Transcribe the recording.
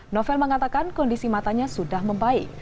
novel mengatakan kondisi matanya sudah membaik